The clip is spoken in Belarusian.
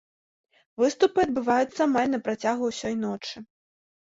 Выступы адбываюцца амаль на працягу ўсёй ночы.